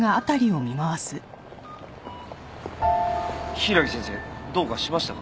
柊木先生どうかしましたか？